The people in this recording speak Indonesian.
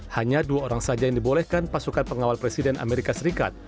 hanya dua orang saja yang dibolehkan pasukan pengawal presiden amerika serikat